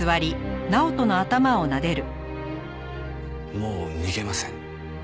もう逃げません。